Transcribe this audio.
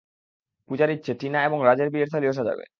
পূজার ইচ্ছে, টিনা এবং রাজের বিয়ের থালি ও সাজাবে।